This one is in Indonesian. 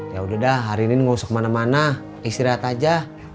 yaudah hari ini ga usah kemana mana istirahat aja